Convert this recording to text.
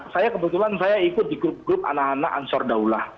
saya kebetulan saya ikut di grup grup anak anak ansur daulah